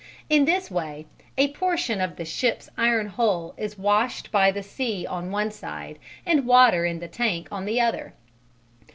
In this way a portion of the ship's iron hull is washed by the sea on one side and water in the tank on the other.